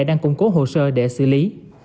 đang cung cố hồ sơ để xử lý